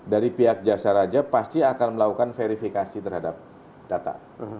dari pihak jasa raja pasti akan melakukan verifikasi terhadap data